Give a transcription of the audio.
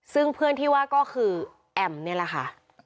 ซึ่งเพื่อนที่ว่าก็คือแอมนี่แหละค่ะ